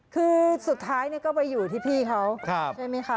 คือสุดท้ายก็ไปอยู่ที่พี่เขาใช่ไหมคะ